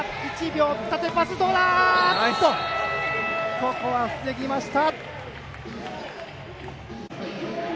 ここは防ぎました！